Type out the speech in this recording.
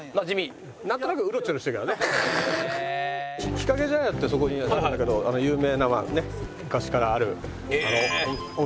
日影茶屋ってそこにあるんだけど有名な昔からあるお店のものですね。